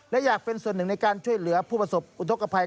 และอยากเป็นส่วนหนึ่งในการช่วยเหลือผู้ประสบอุทธกภัย